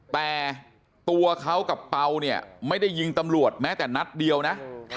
แต่ตัวเขากับเปล่าเนี่ยไม่ได้ยิงตำรวจแม้แต่นัดเดียวนะ